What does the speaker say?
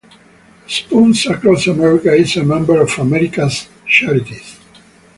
Spoons Across America is a member of America's Charities.